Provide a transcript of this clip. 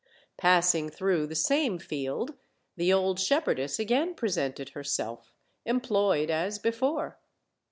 Passing through the same field, the old shepherdess again presented herself, employed as before.